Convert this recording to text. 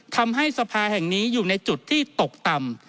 ทำให้สภาแห่งนี้อยู่ในจุดที่ตกต่ำ